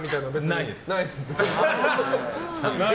ないです。